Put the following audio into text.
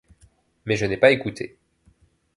Mais je n'ai pas écouté.